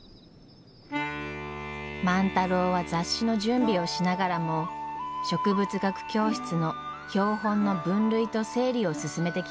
万太郎は雑誌の準備をしながらも植物学教室の標本の分類と整理を進めてきました。